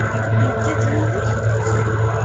Yedda-d yid-k?